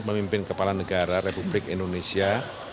memimpin kepala negara republik indonesia